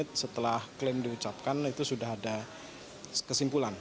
jadi sekitar dua puluh menit setelah klaim diucapkan itu sudah ada kesimpulan